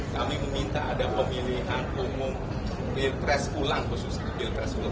kami meminta ada pemilihan umum pilkres ulang khusus pilkres ulang